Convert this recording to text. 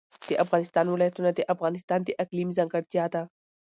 د افغانستان ولايتونه د افغانستان د اقلیم ځانګړتیا ده.